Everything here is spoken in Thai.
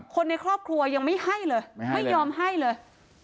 คนในครอบครัวยังไม่ให้เลยไม่ยอมให้เลย